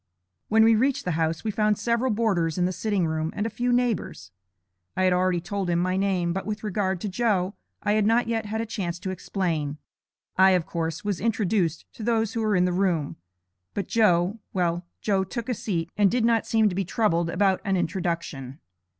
When we reached the house, we found several boarders in the sitting room and a few neighbors. I had already told him my name, but with regard to Joe, I had not yet had a chance to explain. I, of course, was introduced to those who were in the room, but Joe well, Joe took a seat, and did not seem to be troubled about an introduction.